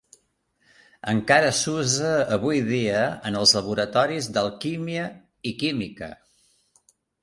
Encara s'usa avui dia en els laboratoris d'alquímia i química.